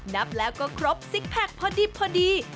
นับแล้วก็ครบซิกแพคพอดิบพอดี